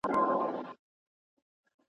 ولسي جرګه نوي قوانين تر کتنې لاندې نيسي.